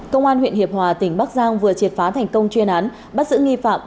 công an huyện hiệp hòa tỉnh bắc giang vừa triệt phá thành công chuyên án bắt giữ nghi phạm